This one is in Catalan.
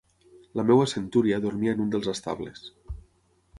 La meva centúria dormia en un dels estables